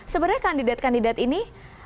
sebenarnya kandidat kandidat ini